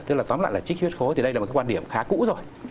tức là tóm lại là trích huyết khối thì đây là một cái quan điểm khá cũ rồi